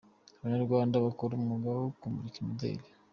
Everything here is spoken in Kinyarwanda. Abanyarwanda bakora umwuga wo kumurika imideli.